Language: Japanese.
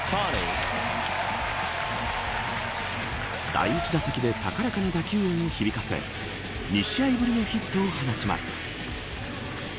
第１打席で高らかな打球音を響かせ２試合ぶりのヒットを放ちます。